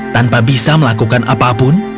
tanpa bisa melakukan apapun